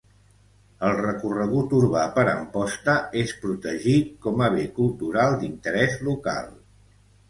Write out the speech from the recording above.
El recorregut urbà per Amposta és protegit com a bé cultural d'interès local.